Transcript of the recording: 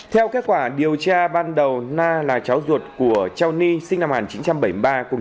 theo kết quả điều tra ban đầu na là cháu ruột của châu ni sinh năm một nghìn chín trăm bảy mươi ba cùng